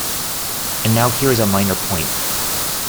And now here is a minor point.